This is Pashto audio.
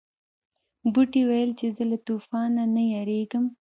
بوټي ویل چې زه له طوفان نه یریږم.